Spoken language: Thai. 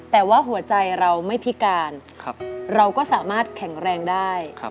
แต่ว่าหัวใจเราไม่พิการเราก็สามารถแข็งแรงได้